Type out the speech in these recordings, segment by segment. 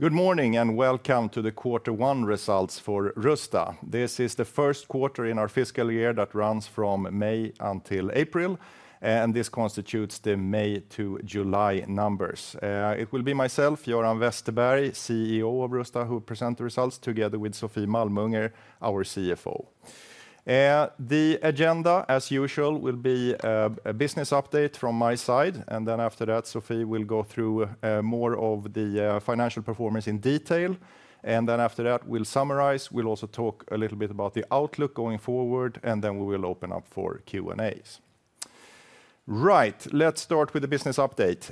Good morning, and welcome to the quarter one results for Rusta. This is the first quarter in our fiscal year that runs from May until April, and this constitutes the May to July numbers. It will be myself, Göran Westerberg, CEO of Rusta, who present the results together with Sofie Malmunger, our CFO. The agenda, as usual, will be a business update from my side, and then after that, Sofie will go through more of the financial performance in detail, and then after that, we'll summarize. We'll also talk a little bit about the outlook going forward, and then we will open up for Q&As. Right. Let's start with the business update.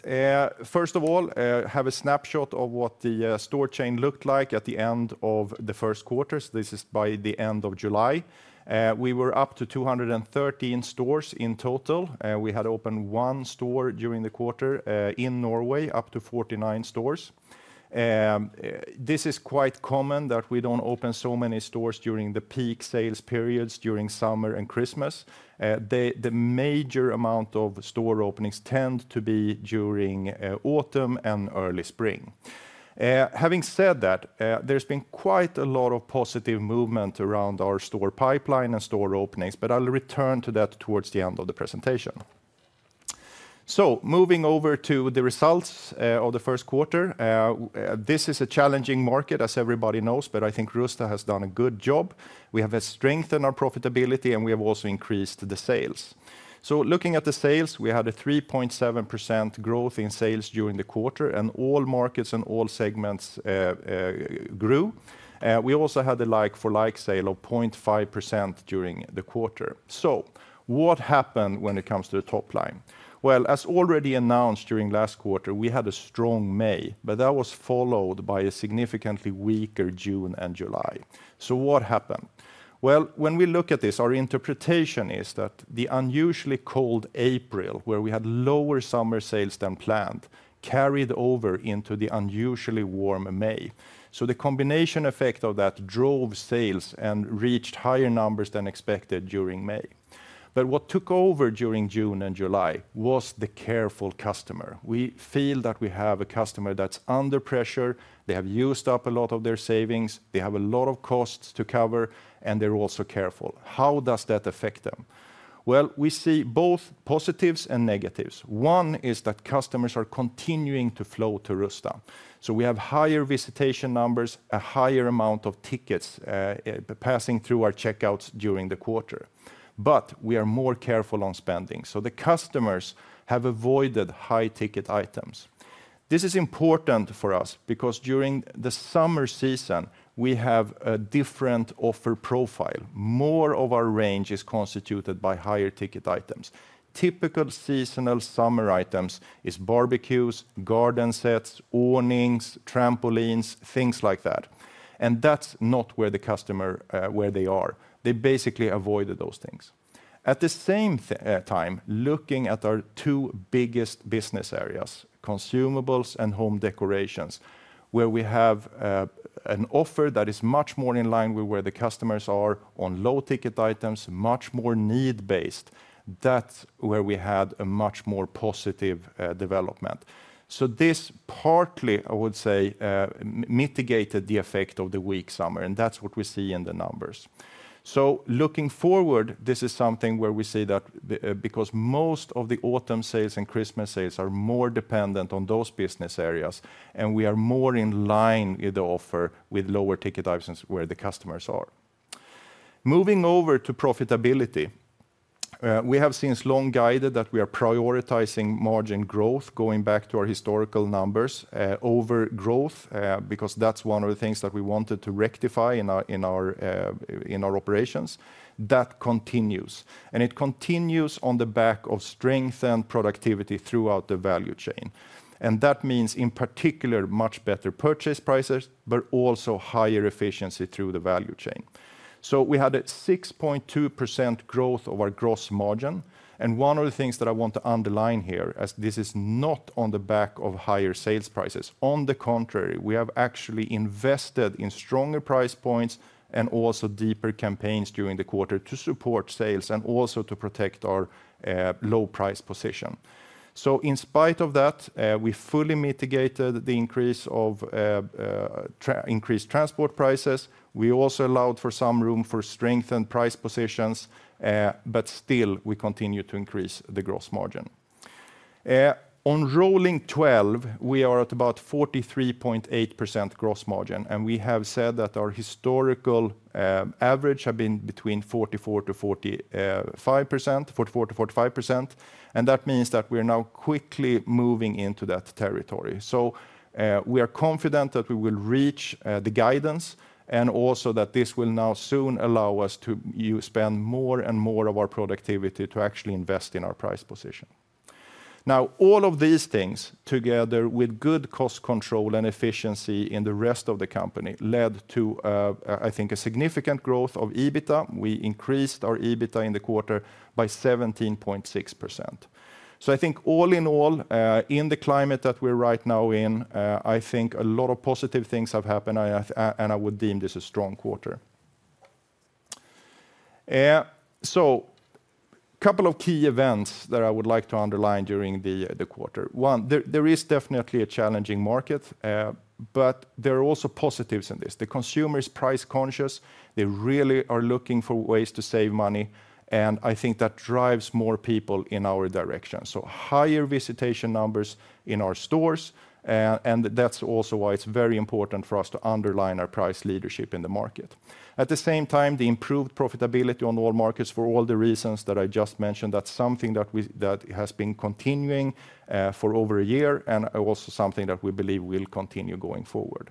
First of all, have a snapshot of what the store chain looked like at the end of the first quarter. This is by the end of July. We were up to 213 stores in total. We had opened one store during the quarter in Norway, up to 49 stores. This is quite common that we don't open so many stores during the peak sales periods during summer and Christmas. The major amount of store openings tend to be during autumn and early spring. Having said that, there's been quite a lot of positive movement around our store pipeline and store openings, but I'll return to that towards the end of the presentation, so moving over to the results of the first quarter. This is a challenging market, as everybody knows, but I think Rusta has done a good job. We have strengthened our profitability, and we have also increased the sales. So looking at the sales, we had a 3.7% growth in sales during the quarter, and all markets and all segments grew. We also had a like-for-like sale of 0.5% during the quarter. So what happened when it comes to the top line? Well, as already announced during last quarter, we had a strong May, but that was followed by a significantly weaker June and July. So what happened? Well, when we look at this, our interpretation is that the unusually cold April, where we had lower summer sales than planned, carried over into the unusually warm May. So the combination effect of that drove sales and reached higher numbers than expected during May. But what took over during June and July was the careful customer. We feel that we have a customer that's under pressure. They have used up a lot of their savings, they have a lot of costs to cover, and they're also careful. How does that affect them? Well, we see both positives and negatives. One is that customers are continuing to flow to Rusta, so we have higher visitation numbers, a higher amount of tickets, passing through our checkouts during the quarter. But we are more careful on spending, so the customers have avoided high-ticket items. This is important for us because during the summer season, we have a different offer profile. More of our range is constituted by higher-ticket items. Typical seasonal summer items is barbecues, garden sets, awnings, trampolines, things like that, and that's not where the customer, where they are. They basically avoided those things. At the same th... Looking at our two biggest business areas, consumables and home decorations, where we have an offer that is much more in line with where the customers are on low-ticket items, much more need-based. That's where we had a much more positive development, so this partly, I would say, mitigated the effect of the weak summer, and that's what we see in the numbers, so looking forward, this is something where we see that because most of the autumn sales and Christmas sales are more dependent on those business areas, and we are more in line with the offer with lower-ticket items where the customers are. Moving over to profitability, we have since long guided that we are prioritizing margin growth, going back to our historical numbers, over growth, because that's one of the things that we wanted to rectify in our operations. That continues, and it continues on the back of strength and productivity throughout the value chain. And that means, in particular, much better purchase prices, but also higher efficiency through the value chain. So we had a 6.2% growth of our gross margin, and one of the things that I want to underline here, as this is not on the back of higher sales prices. On the contrary, we have actually invested in stronger price points and also deeper campaigns during the quarter to support sales and also to protect our low price position. So in spite of that, we fully mitigated the increase of increased transport prices. We also allowed for some room for strength and price positions, but still, we continue to increase the gross margin. On rolling twelve, we are at about 43.8% gross margin, and we have said that our historical average have been between 44%-45%, and that means that we are now quickly moving into that territory. So, we are confident that we will reach the guidance and also that this will now soon allow us to spend more and more of our productivity to actually invest in our price position. Now, all of these things, together with good cost control and efficiency in the rest of the company, led to, I think, a significant growth of EBITDA. We increased our EBITDA in the quarter by 17.6%. So I think all in all, in the climate that we're right now in, I think a lot of positive things have happened, and I would deem this a strong quarter. So couple of key events that I would like to underline during the quarter. One, there is definitely a challenging market, but there are also positives in this. The consumer is price conscious. They really are looking for ways to save money, and I think that drives more people in our direction. So higher visitation numbers in our stores, and that's also why it's very important for us to underline our price leadership in the market. At the same time, the improved profitability on all markets for all the reasons that I just mentioned, that's something that has been continuing for over a year, and also something that we believe will continue going forward.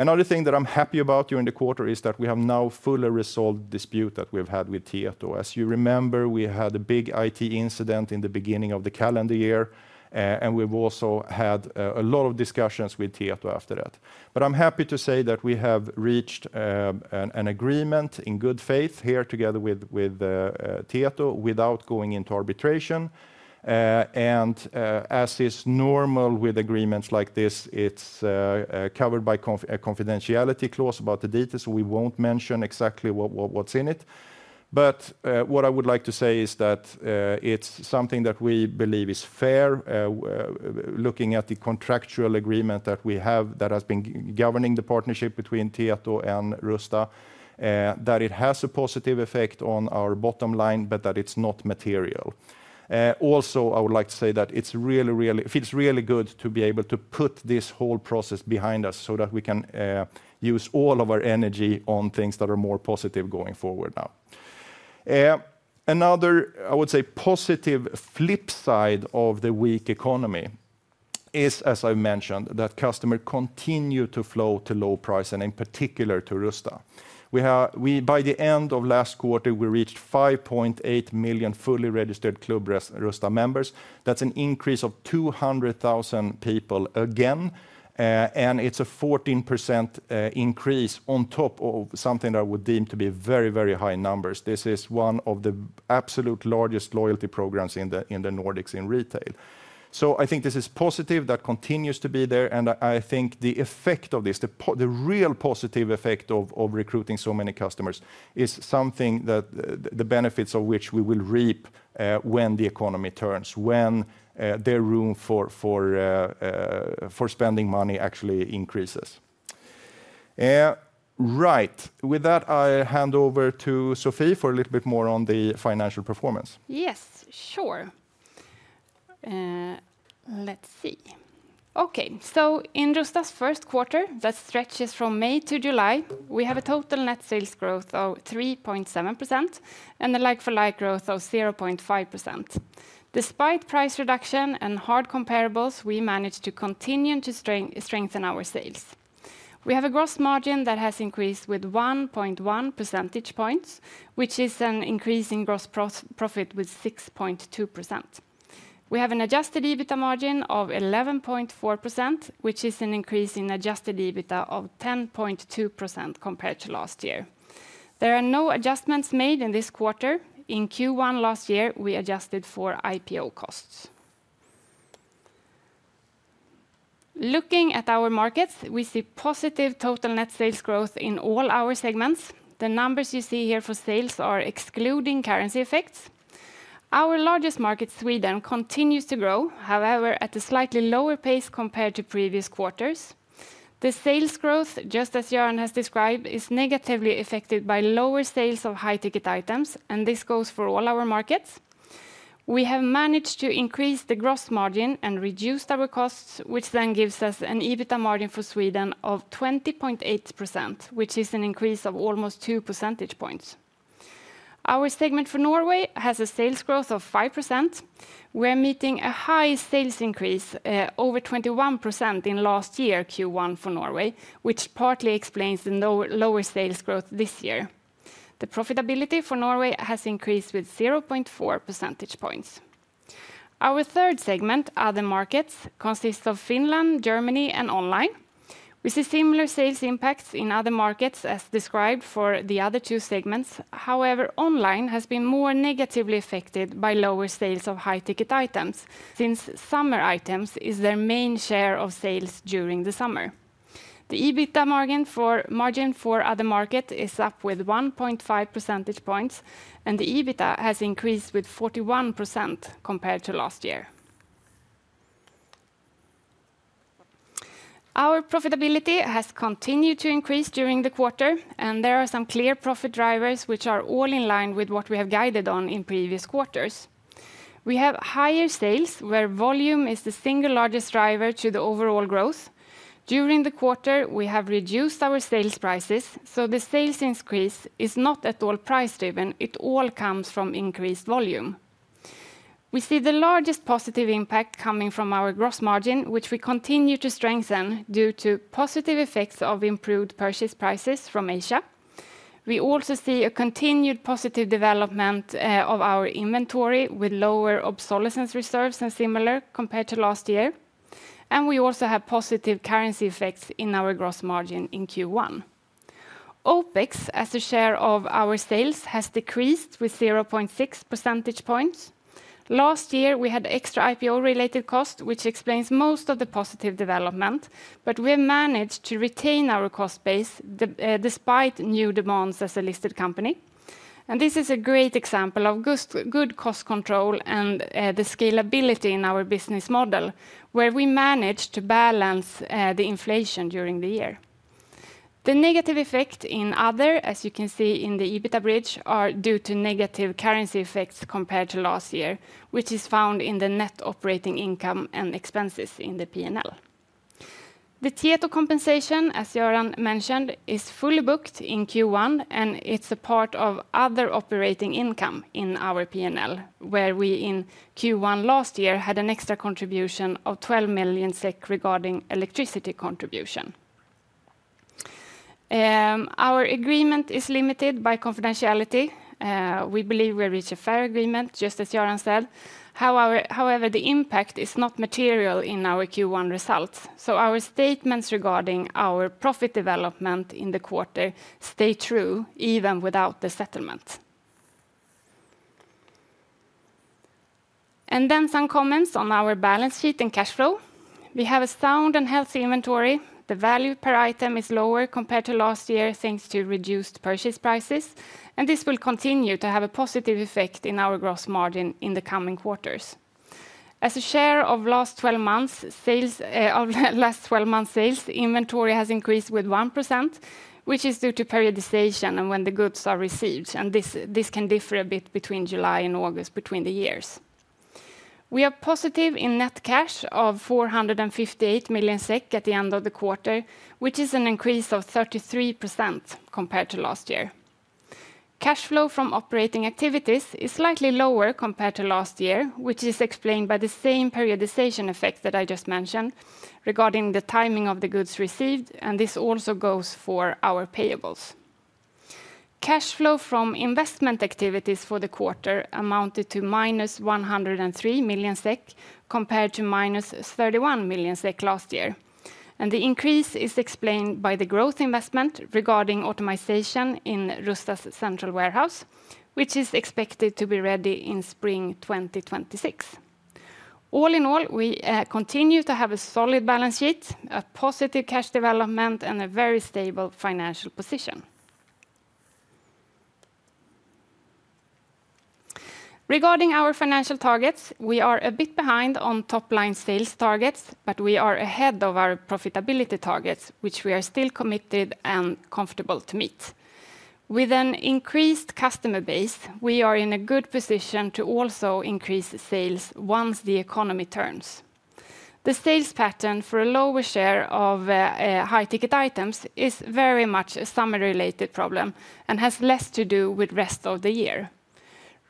Another thing that I'm happy about during the quarter is that we have now fully resolved dispute that we've had with Tieto. As you remember, we had a big IT incident in the beginning of the calendar year, and we've also had a lot of discussions with Tieto after that. But I'm happy to say that we have reached an agreement in good faith here together with Tieto, without going into arbitration. And, as is normal with agreements like this, it's covered by a confidentiality clause about the details, so we won't mention exactly what's in it. But, what I would like to say is that it's something that we believe is fair, looking at the contractual agreement that we have that has been governing the partnership between Tieto and Rusta, that it has a positive effect on our bottom line, but that it's not material. Also, I would like to say that it's really, really. It feels really good to be able to put this whole process behind us so that we can use all of our energy on things that are more positive going forward now. Another, I would say, positive flip side of the weak economy is, as I mentioned, that customer continue to flow to low price, and in particular, to Rusta. We, by the end of last quarter, reached 5.8 million fully registered Club Rusta members. That's an increase of 200,000 people again, and it's a 14% increase on top of something that would seem to be very, very high numbers. This is one of the absolute largest loyalty programs in the Nordics in retail. So I think this is positive, that continues to be there, and I think the effect of this, the real positive effect of recruiting so many customers, is something that the benefits of which we will reap when the economy turns, when there are room for spending money actually increases. Right. With that, I hand over to Sofie for a little bit more on the financial performance. Yes, sure. In Rusta's first quarter, that stretches from May to July, we have a total net sales growth of 3.7% and a like-for-like growth of 0.5%. Despite price reduction and hard comparables, we managed to continue to strengthen our sales. We have a gross margin that has increased with 1.1 percentage points, which is an increase in gross profit with 6.2%. We have an Adjusted EBITDA margin of 11.4%, which is an increase in Adjusted EBITDA of 10.2% compared to last year. There are no adjustments made in this quarter. In Q1 last year, we adjusted for IPO costs. Looking at our markets, we see positive total net sales growth in all our segments. The numbers you see here for sales are excluding currency effects. Our largest market, Sweden, continues to grow, however, at a slightly lower pace compared to previous quarters. The sales growth, just as Göran has described, is negatively affected by lower sales of high-ticket items, and this goes for all our markets. We have managed to increase the gross margin and reduced our costs, which then gives us an EBITDA margin for Sweden of 20.8%, which is an increase of almost two percentage points. Our segment for Norway has a sales growth of 5%. We're meeting a high sales increase, over 21% in last year Q1 for Norway, which partly explains the lower sales growth this year. The profitability for Norway has increased with 0.4 percentage points. Our third segment, Other Markets, consists of Finland, Germany, and online. We see similar sales impacts in other markets as described for the other two segments. However, online has been more negatively affected by lower sales of high-ticket items, since summer items is their main share of sales during the summer. The EBITDA margin for Other Market is up with 1.5 percentage points, and the EBITDA has increased with 41% compared to last year. Our profitability has continued to increase during the quarter, and there are some clear profit drivers, which are all in line with what we have guided on in previous quarters. We have higher sales, where volume is the single largest driver to the overall growth. During the quarter, we have reduced our sales prices, so the sales increase is not at all price-driven. It all comes from increased volume. We see the largest positive impact coming from our gross margin, which we continue to strengthen due to positive effects of improved purchase prices from Asia. We also see a continued positive development of our inventory with lower obsolescence reserves and similar compared to last year, and we also have positive currency effects in our gross margin in Q1. OpEx, as a share of our sales, has decreased with 0.6 percentage points. Last year, we had extra IPO-related costs, which explains most of the positive development, but we managed to retain our cost base, despite new demands as a listed company. And this is a great example of good cost control and the scalability in our business model, where we managed to balance the inflation during the year. The negative effect in other, as you can see in the EBITDA bridge, are due to negative currency effects compared to last year, which is found in the net operating income and expenses in the P&L. The Tieto compensation, as Göran mentioned, is fully booked in Q1, and it's a part of other operating income in our P&L, where we, in Q1 last year, had an extra contribution of 12 million SEK regarding electricity contribution. Our agreement is limited by confidentiality. We believe we reached a fair agreement, just as Göran said. However, the impact is not material in our Q1 results, so our statements regarding our profit development in the quarter stay true even without the settlement. And then some comments on our balance sheet and cash flow. We have a sound and healthy inventory. The value per item is lower compared to last year, thanks to reduced purchase prices, and this will continue to have a positive effect in our gross margin in the coming quarters. As a share of last 12 months, sales, of last 12 months' sales, inventory has increased with 1%, which is due to periodization and when the goods are received, and this, this can differ a bit between July and August, between the years. We are positive in net cash of 458 million SEK at the end of the quarter, which is an increase of 33% compared to last year. Cash flow from operating activities is slightly lower compared to last year, which is explained by the same periodization effect that I just mentioned regarding the timing of the goods received, and this also goes for our payables. Cash flow from investment activities for the quarter amounted to -103 million SEK, compared to -31 million SEK last year, and the increase is explained by the growth investment regarding automation in Rusta's central warehouse, which is expected to be ready in spring 2026. All in all, we continue to have a solid balance sheet, a positive cash development, and a very stable financial position. Regarding our financial targets, we are a bit behind on top-line sales targets, but we are ahead of our profitability targets, which we are still committed and comfortable to meet. With an increased customer base, we are in a good position to also increase sales once the economy turns. The sales pattern for a lower share of high-ticket items is very much a summer-related problem and has less to do with rest of the year.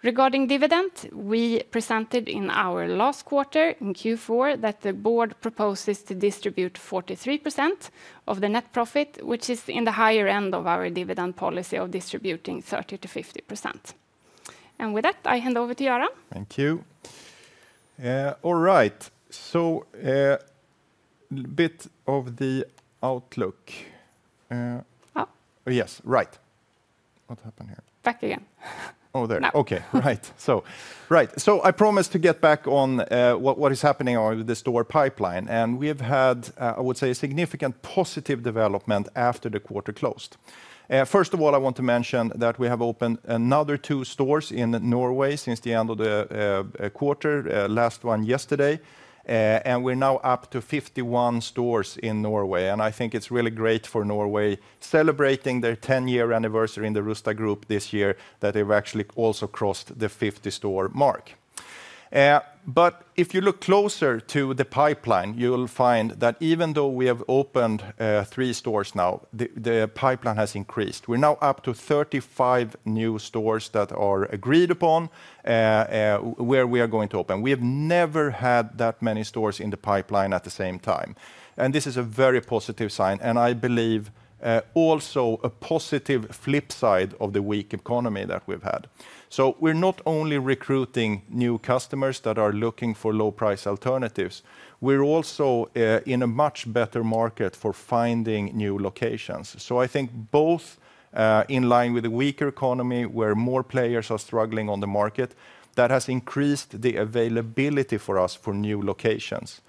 Regarding dividend, we presented in our last quarter, in Q4, that the board proposes to distribute 43% of the net profit, which is in the higher end of our dividend policy of distributing 30%-50%. And with that, I hand over to Göran. Thank you. All right, so, bit of the outlook. Yes, right. What happened here? Back again. Oh, there. Now. Okay. All right. So right, so I promised to get back on, what is happening on the store pipeline, and we've had, I would say, a significant positive development after the quarter closed. First of all, I want to mention that we have opened another two stores in Norway since the end of the quarter, last one yesterday. And we're now up to 51 stores in Norway, and I think it's really great for Norway, celebrating their ten-year anniversary in the Rusta Group this year, that they've actually also crossed the 50-store mark. But if you look closer to the pipeline, you'll find that even though we have opened three stores now, the pipeline has increased. We're now up to 35 new stores that are agreed upon, where we are going to open. We have never had that many stores in the pipeline at the same time, and this is a very positive sign, and I believe, also a positive flip side of the weak economy that we've had, so we're not only recruiting new customers that are looking for low-price alternatives, we're also, in a much better market for finding new locations. So I think both, in line with the weaker economy, where more players are struggling on the market, that has increased the availability for us for new locations,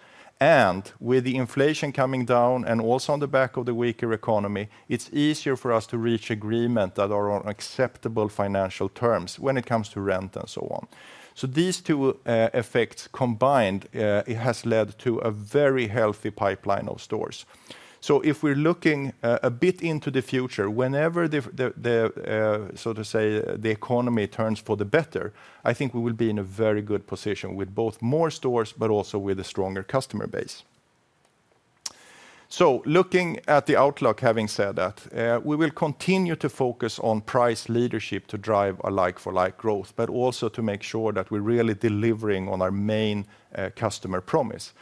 and with the inflation coming down, and also on the back of the weaker economy, it's easier for us to reach agreement that are on acceptable financial terms when it comes to rent and so on, so these two, effects combined, it has led to a very healthy pipeline of stores. So if we're looking a bit into the future, whenever the so to say the economy turns for the better, I think we will be in a very good position with both more stores, but also with a stronger customer base. So looking at the outlook, having said that, we will continue to focus on price leadership to drive a like-for-like growth, but also to make sure that we're really delivering on our main customer promise.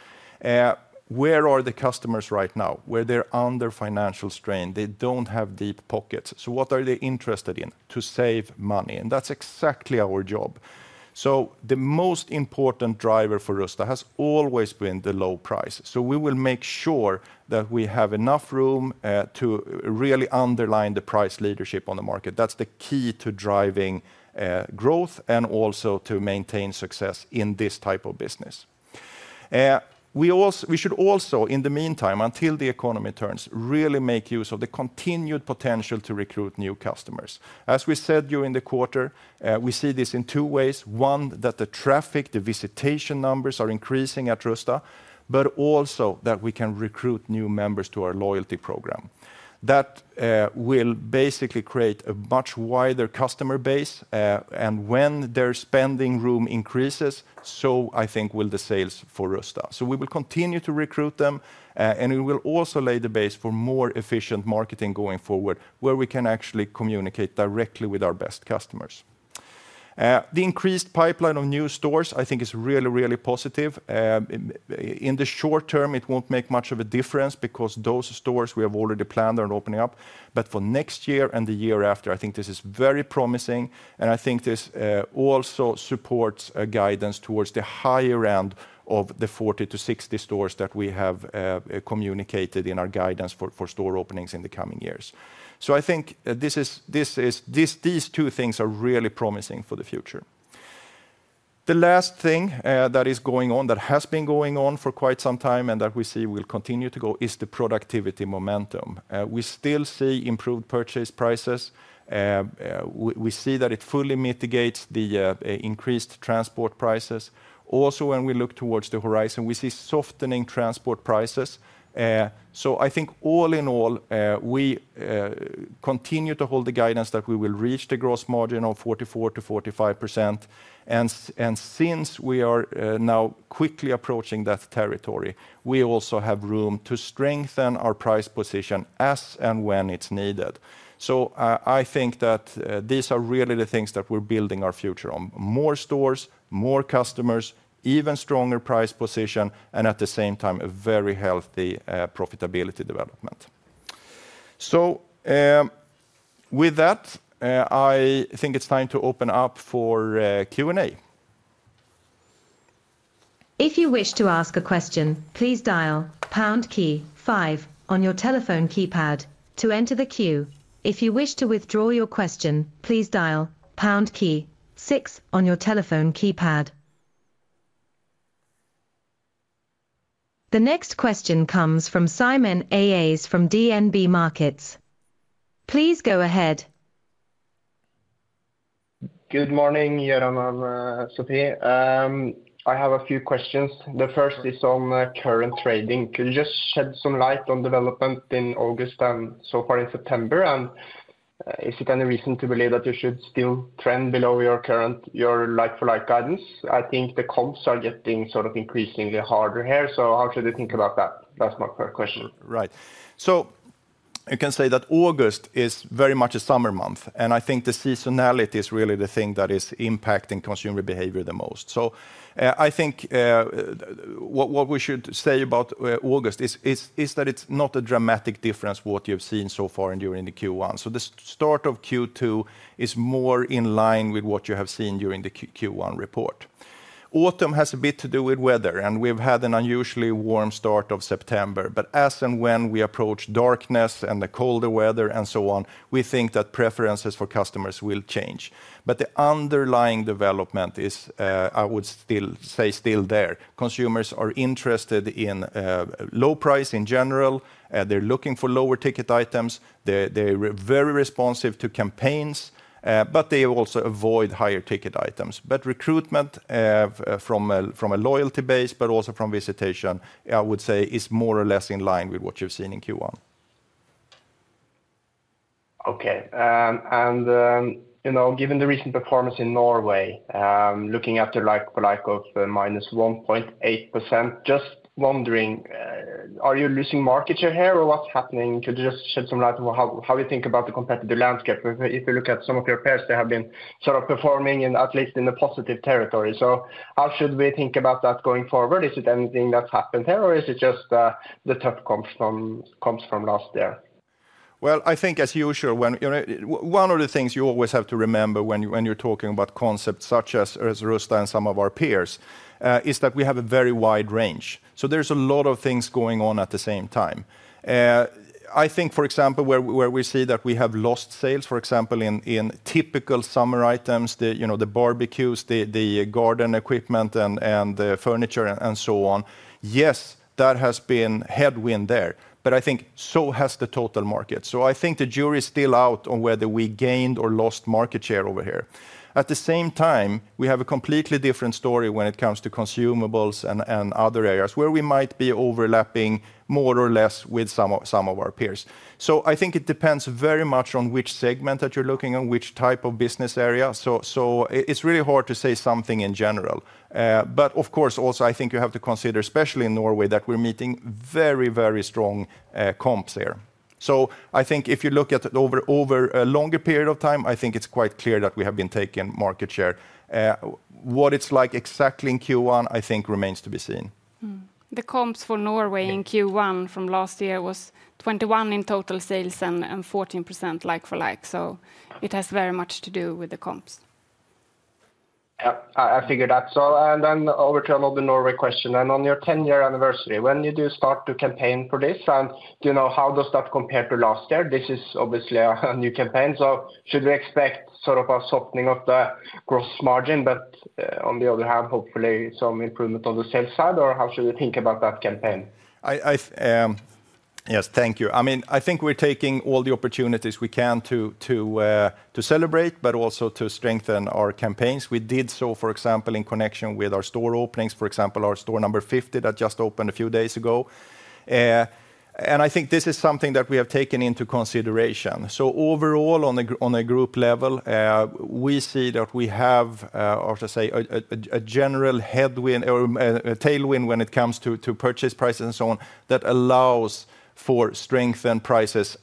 Where are the customers right now? Where they're under financial strain, they don't have deep pockets. So what are they interested in? To save money, and that's exactly our job. So the most important driver for Rusta has always been the low price, so we will make sure that we have enough room to really underline the price leadership on the market. That's the key to driving growth and also to maintain success in this type of business. We should also, in the meantime, until the economy turns, really make use of the continued potential to recruit new customers. As we said during the quarter, we see this in two ways. One, that the traffic, the visitation numbers, are increasing at Rusta, but also that we can recruit new members to our loyalty program. That will basically create a much wider customer base, and when their spending room increases, so I think will the sales for Rusta. So we will continue to recruit them, and we will also lay the base for more efficient marketing going forward, where we can actually communicate directly with our best customers. The increased pipeline of new stores, I think is really, really positive. In the short term, it won't make much of a difference because those stores we have already planned on opening up, but for next year and the year after, I think this is very promising, and I think this also supports a guidance towards the higher end of the forty to sixty stores that we have communicated in our guidance for store openings in the coming years, so I think this is these two things are really promising for the future. The last thing that is going on, that has been going on for quite some time, and that we see will continue to go, is the productivity momentum. We still see improved purchase prices. We see that it fully mitigates the increased transport prices. Also, when we look toward the horizon, we see softening transport prices, so I think all in all, we continue to hold the guidance that we will reach the gross margin of 44%-45%. And since we are now quickly approaching that territory, we also have room to strengthen our price position as and when it's needed, so I think that these are really the things that we're building our future on: more stores, more customers, even stronger price position, and at the same time, a very healthy profitability development, so with that, I think it's time to open up for Q&A. If you wish to ask a question, please dial pound key five on your telephone keypad to enter the queue. If you wish to withdraw your question, please dial pound key six on your telephone keypad. The next question comes from Simen Aas from DNB Markets. Please go ahead. Good morning, Göran and, Sofie. I have a few questions. The first is on the current trading. Could you just shed some light on development in August and so far in September? And, is there any reason to believe that you should still trend below your current like-for-like guidance? I think the comps are getting sort of increasingly harder here, so how should I think about that? That's my first question. Right. So I can say that August is very much a summer month, and I think the seasonality is really the thing that is impacting consumer behavior the most. So, I think what we should say about August is that it's not a dramatic difference what you've seen so far and during the Q1. So the start of Q2 is more in line with what you have seen during the Q1 report. Autumn has a bit to do with weather, and we've had an unusually warm start of September. But as and when we approach darkness and the colder weather and so on, we think that preferences for customers will change. But the underlying development is, I would still say there. Consumers are interested in low price in general, they're looking for lower ticket items. They're very responsive to campaigns, but they also avoid high-ticket items. But recruitment from a loyalty base, but also from visitation, I would say is more or less in line with what you've seen in Q1. Okay, and you know, given the recent performance in Norway, looking at the like-for-like of minus 1.8%, just wondering, are you losing market share here, or what's happening? Could you just shed some light on how you think about the competitive landscape? If you look at some of your peers, they have been sort of performing, at least in the positive territory. So how should we think about that going forward? Is it anything that's happened here, or is it just the tough comps from last year? I think, as usual, you know, one of the things you always have to remember when you're talking about concepts such as Rusta and some of our peers, is that we have a very wide range. There's a lot of things going on at the same time. I think, for example, we see that we have lost sales, for example, in typical summer items, you know, the barbecues, the garden equipment, and the furniture, and so on. Yes, that has been headwind there, but I think so has the total market. I think the jury is still out on whether we gained or lost market share over here. At the same time, we have a completely different story when it comes to consumables and other areas, where we might be overlapping more or less with some of our peers. So I think it depends very much on which segment that you're looking and which type of business area. So it's really hard to say something in general. But of course, also, I think you have to consider, especially in Norway, that we're meeting very, very strong comps there. So I think if you look at it over a longer period of time, I think it's quite clear that we have been taking market share. What it's like exactly in Q1, I think, remains to be seen. Mm-hmm. The comps for Norway in Q1 from last year was 21 in total sales and 14% like for like, so it has very much to do with the comps. Yep, I figured that. So, and then over to another Norway question, and on your ten-year anniversary, when you do start to campaign for this, and do you know, how does that compare to last year? This is obviously a new campaign, so should we expect sort of a softening of the gross margin, but, on the other hand, hopefully some improvement on the sales side, or how should we think about that campaign? Yes, thank you. I mean, I think we're taking all the opportunities we can to celebrate, but also to strengthen our campaigns. We did so, for example, in connection with our store openings, for example, our store number 50 that just opened a few days ago. And I think this is something that we have taken into consideration. So overall, on a group level, we see that we have, how to say, a general headwind or a tailwind when it comes to purchase prices and so on, that allows for strength and prices,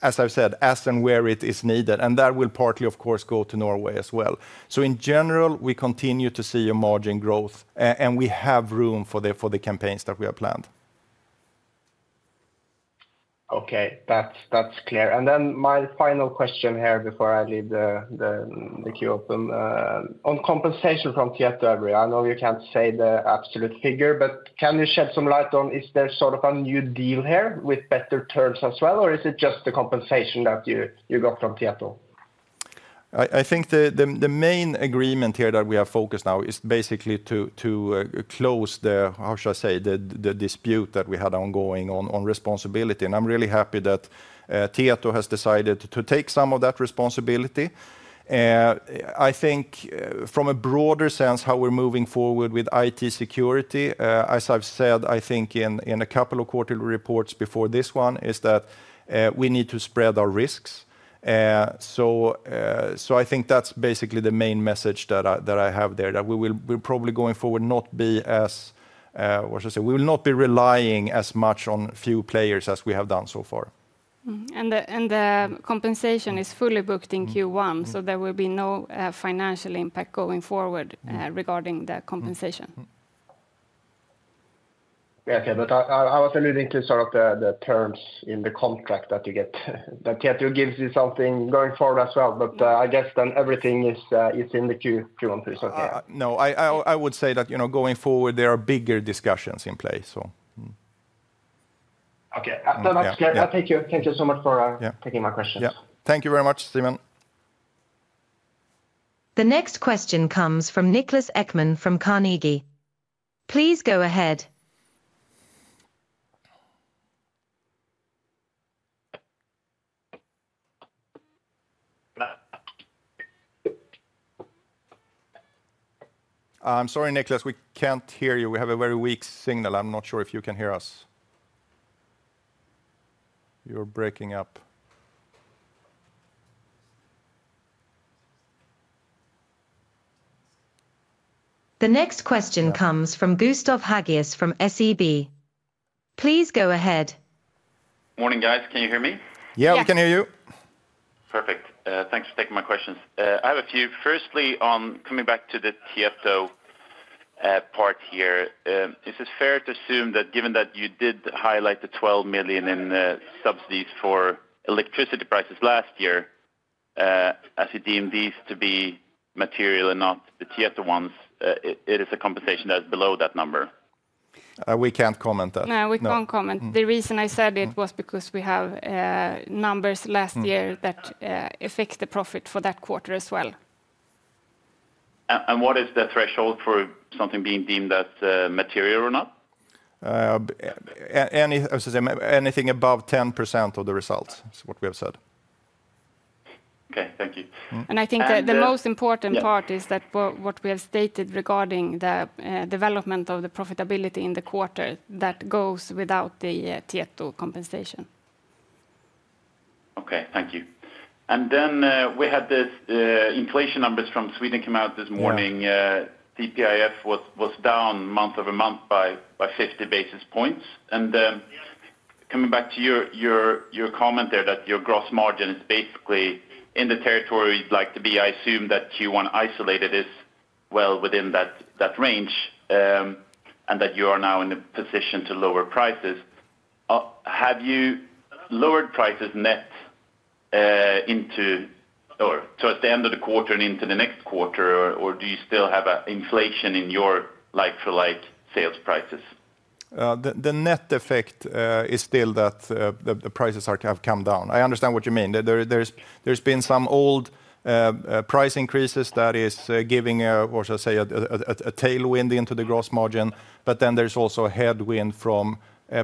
as I've said, as and where it is needed. And that will partly, of course, go to Norway as well. So in general, we continue to see a margin growth, and we have room for the campaigns that we have planned. Okay, that's, that's clear. And then my final question here before I leave the queue open, on compensation from Tietoevry. I know you can't say the absolute figure, but can you shed some light on, is there sort of a new deal here with better terms as well, or is it just the compensation that you got from Tieto? I think the main agreement here that we are focused now is basically to close the, how should I say, the dispute that we had ongoing on responsibility. And I'm really happy that Tieto has decided to take some of that responsibility. I think from a broader sense, how we're moving forward with IT security, as I've said, I think in a couple of quarterly reports before this one, is that we need to spread our risks. So I think that's basically the main message that I have there, that we will- we're probably going forward, not be as, what should I say? We will not be relying as much on few players as we have done so far. And the compensation is fully booked in Q1, so there will be no financial impact going forward- regarding the compensation. Yeah, okay. But I was alluding to sort of the terms in the contract that you get, that Tieto gives you something going forward as well. But I guess then everything is in the Q1 result, yeah. No, I would say that, you know, going forward, there are bigger discussions in play, so. Okay. Yeah. That's clear. Yeah. Thank you. Thank you so much for, Yeah taking my questions. Yeah. Thank you very much, Simen. The next question comes from Niklas Ekman from Carnegie. Please go ahead. I'm sorry, Niklas, we can't hear you. We have a very weak signal. I'm not sure if you can hear us. You're breaking up. The next question comes from Gustav Hageus from SEB. Please go ahead. Morning, guys. Can you hear me? Yeah, we can hear you. Yeah. Perfect. Thanks for taking my questions. I have a few. Firstly, on coming back to the Tieto part here, is it fair to assume that given that you did highlight the 12 million in subsidies for electricity prices last year, as you deem these to be material and not the Tieto ones, it is a compensation that's below that number? We can't comment that. No, we can't comment. No. The reason I said it was because we have numbers last year- that, affect the profit for that quarter as well. What is the threshold for something being deemed as material or not? As I say, anything above 10% of the results is what we have said. Okay, thank you. And- And I think that the most important part- Yeah is that what we have stated regarding the development of the profitability in the quarter, that goes without the Tieto compensation. Okay, thank you. And then we had the inflation numbers from Sweden come out this morning. Yeah. CPIF was down month over month by fifty basis points. Coming back to your comment there, that your gross margin is basically in the territory you'd like to be, I assume that Q1 isolated is well within that range, and that you are now in a position to lower prices. Have you lowered prices net into or so at the end of the quarter and into the next quarter, or do you still have inflation in your like-for-like sales prices? The net effect is still that the prices are to have come down. I understand what you mean. There's been some old price increases that is giving what I should say, a tailwind into the gross margin, but then there's also a headwind from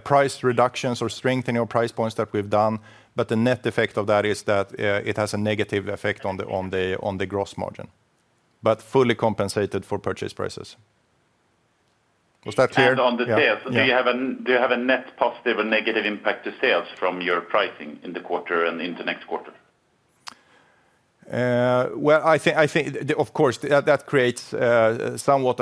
price reductions or strengthening our price points that we've done. But the net effect of that is that it has a negative effect on the gross margin, but fully compensated for purchase prices. Was that clear? On the sales- Yeah. Yeah Do you have a net positive or negative impact to sales from your pricing in the quarter and into next quarter? I think. Of course, that creates somewhat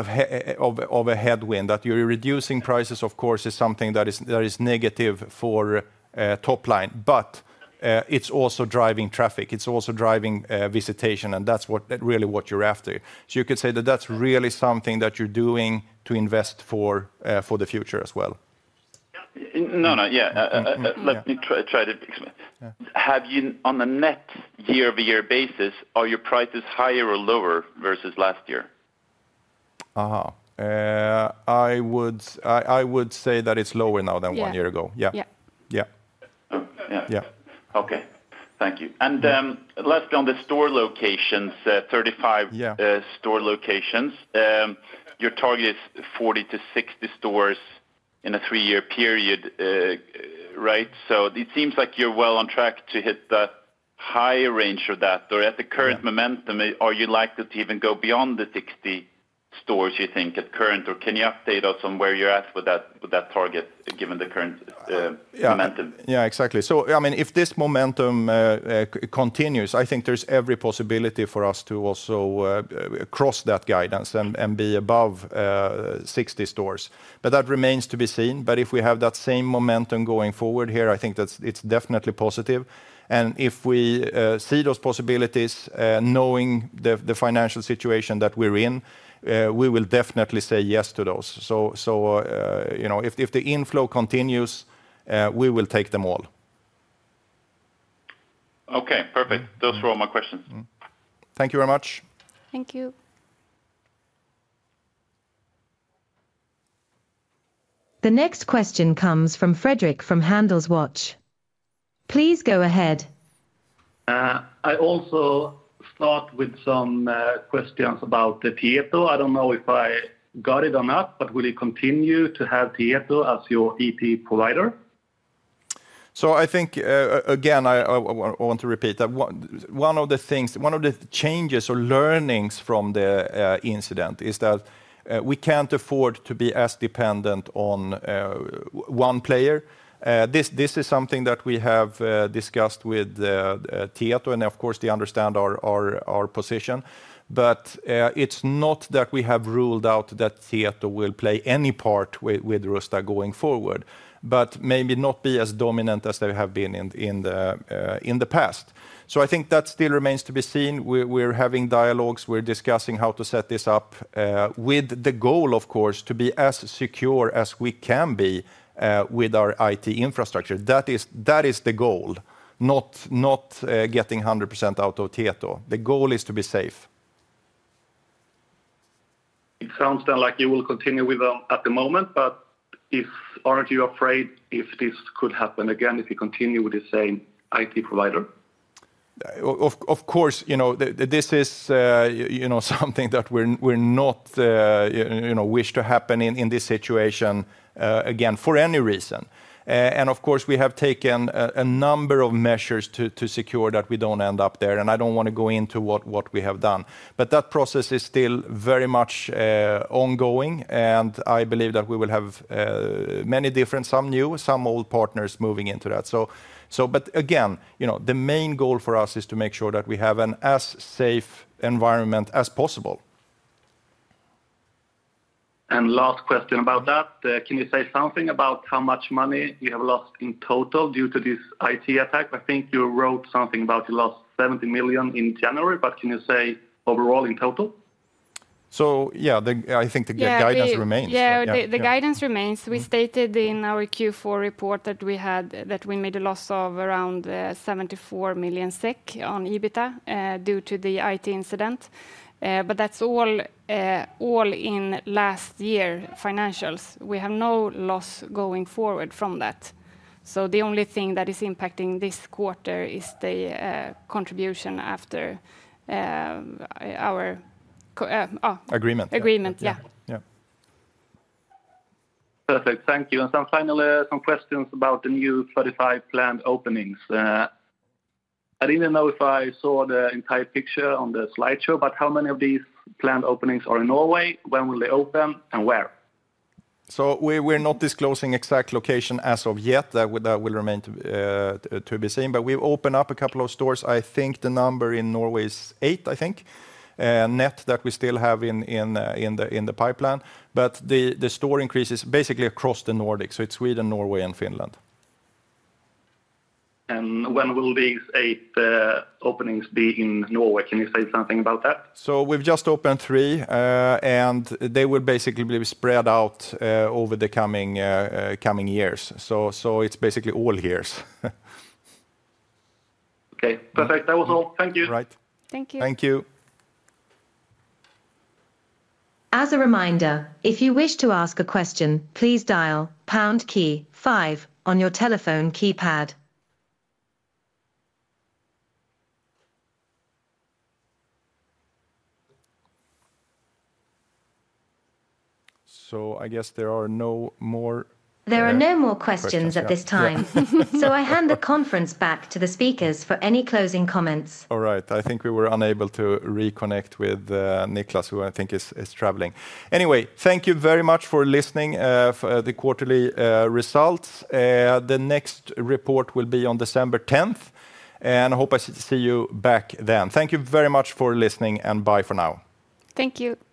of a headwind, that you're reducing prices, of course, is something that is negative for top line, but it's also driving traffic. It's also driving visitation, and that's really what you're after. So you could say that that's really something that you're doing to invest for the future as well. No, no. Yeah. Yeah. Let me try to explain. Yeah. Have you, on a net year-over-year basis, are your prices higher or lower versus last year? I would say that it's lower now than one year ago. Yeah. Yeah. Yeah. Yeah. Yeah. Okay, thank you. And, lastly, on the store locations, thirty-five- Yeah store locations, your target is 40-60 stores in a three-year period, right? So it seems like you're well on track to hit the higher range of that. Or at the current- Yeah Momentum, are you likely to even go beyond the sixty stores, you think, at current? Or can you update us on where you're at with that, with that target, given the current momentum? Yeah, yeah, exactly. So, I mean, if this momentum continues, I think there's every possibility for us to also cross that guidance and be above 60 stores, but that remains to be seen. But if we have that same momentum going forward here, I think that's definitely positive. And if we see those possibilities, knowing the financial situation that we're in, we will definitely say yes to those. So, you know, if the inflow continues, we will take them all. Okay, perfect. Those were all my questions. Thank you very much. Thank you. The next question comes from Fredrik, from HandelsWatch. Please go ahead. I also start with some questions about the Tieto. I don't know if I got it or not, but will you continue to have Tieto as your IT provider? So I think again, I want to repeat that one of the things, one of the changes or learnings from the incident is that we can't afford to be as dependent on one player. This is something that we have discussed with Tieto, and of course, they understand our position. But it's not that we have ruled out that Tieto will play any part with Rusta going forward, but maybe not be as dominant as they have been in the past. So I think that still remains to be seen. We're having dialogues. We're discussing how to set this up with the goal, of course, to be as secure as we can be with our IT infrastructure. That is the goal, not getting 100% out of Tieto. The goal is to be safe. It sounds then like you will continue with them at the moment, but if... Aren't you afraid if this could happen again, if you continue with the same IT provider? Of course, you know, this is, you know, something that we're not, you know, wish to happen in this situation again, for any reason. And of course, we have taken a number of measures to secure that we don't end up there, and I don't want to go into what we have done. But that process is still very much ongoing, and I believe that we will have many different, some new, some old partners moving into that. So but again, you know, the main goal for us is to make sure that we have an as safe environment as possible. And last question about that, can you say something about how much money you have lost in total due to this IT attack? I think you wrote something about you lost 70 million in January, but can you say overall in total? So yeah, I think the guidance remains. Yeah, the- Yeah. The guidance remains. We stated in our Q4 report that we made a loss of around 74 million SEK on EBITDA due to the IT incident. But that's all in last year's financials. We have no loss going forward from that. So the only thing that is impacting this quarter is the contribution after our co, oh- Agreement agreement, yeah. Yeah. Perfect. Thank you. Finally, some questions about the new 35 planned openings. I didn't know if I saw the entire picture on the slideshow, but how many of these planned openings are in Norway? When will they open, and where? So we're not disclosing exact location as of yet. That will remain to be seen. But we've opened up a couple of stores. I think the number in Norway is eight, I think, net that we still have in the pipeline. But the store increases basically across the Nordics, so it's Sweden, Norway, and Finland. When will these eight openings be in Norway? Can you say something about that? We've just opened three, and they will basically be spread out over the coming years. So it's basically all years. Okay, perfect. That was all. Thank you. Right. Thank you. Thank you. As a reminder, if you wish to ask a question, please dial pound key five on your telephone keypad. So I guess there are no more- There are no more questions at this time. Yeah. So I hand the conference back to the speakers for any closing comments. All right. I think we were unable to reconnect with Niklas, who I think is traveling. Anyway, thank you very much for listening for the quarterly results. The next report will be on December tenth, and I hope I see you back then. Thank you very much for listening, and bye for now. Thank you.